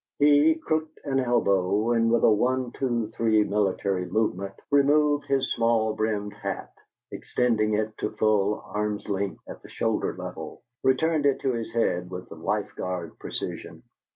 He crooked an elbow and with a one two three military movement removed his small brimmed hat, extended it to full arm's length at the shoulder level, returned it to his head with Life Guard precision.